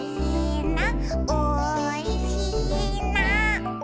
「おいしいな」